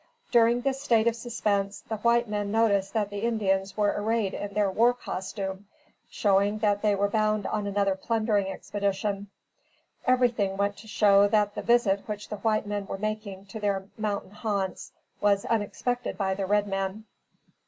During this state of suspense, the white men noticed that the Indians were arrayed in their war costume, showing that they were bound on another plundering expedition. Everything went to show that the visit which the white men were making to their mountain haunts was unexpected by the red men.